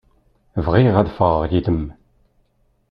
Bɣiɣ ad ffɣeɣ yid-m.